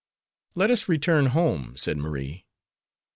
"Let us return home," said Marie.